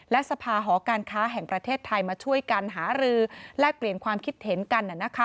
และสภาหอการค้าแห่งประเทศไทยมาช่วยกันหารือแลกเปลี่ยนความคิดเห็นกัน